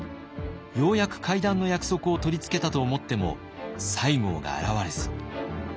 ようやく会談の約束を取り付けたと思っても西郷が現れず。